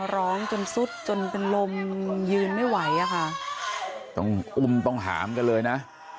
ร้องจนสุดจนเป็นลมยืนไม่ไหวอะค่ะต้องอุ้มต้องหามกันเลยนะ